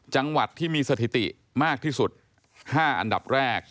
จังหวัดที่มีสถิติมากที่สุด๕อันดับแรก